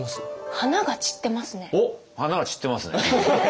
花が散ってますね。